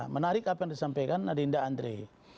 menarik apa yang disampaikan adinda andre